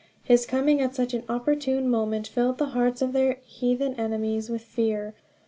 His coming at such an opportune moment filled the hearts of their heathen enemies with fear.